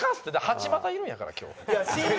８股いるんやから今日。